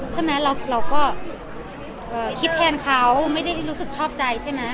เราก็คิดแทนเขาไม่ได้รู้สึกชอบใจใช่ไหม